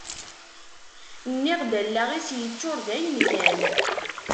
Nniɣ-d allaɣ-is yeččur dayen-kan.